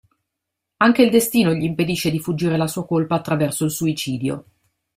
Anche il destino gli impedisce di fuggire la sua colpa attraverso il suicidio.